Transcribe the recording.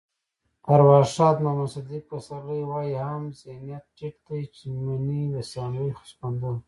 ارواښاد محمد صدیق پسرلی وایي: عام ذهنيت ټيټ دی چې مني د سامري سخوندر.